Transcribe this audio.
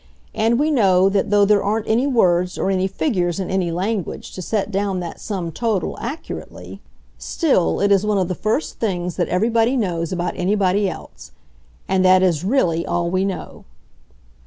And we know that though there aren't any words or any figures in any language to set down that sum total accurately, still it is one of the first things that everybody knows about anybody else. And that is really all we know!